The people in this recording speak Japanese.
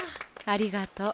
ありがとう。